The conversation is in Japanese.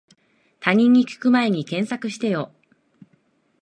他人に聞くまえに検索してよ